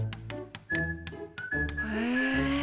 へえ！